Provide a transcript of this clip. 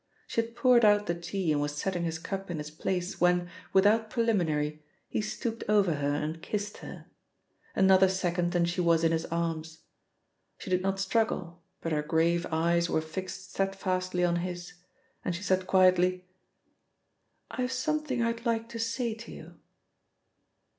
She had poured out the tea and was setting his cup in its place, when, without preliminary, he stooped over her and kissed her; another second, and she was in his arms. She did not struggle, but her grave eyes were fixed steadfastly on his, and she said quietly: "I have something I'd like to say to you."